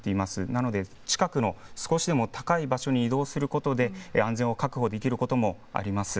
なので、近くの少しでも高い場所に移動することで安全を確保できることもあります。